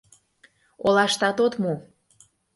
Олаштат от му.